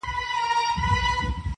o پاک پر شرعه برابر مسلمانان دي,